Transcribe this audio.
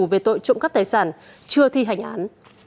về tội trộm cắp tài sản chưa thi hành án